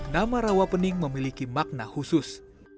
nama rawapening memiliki makna khusus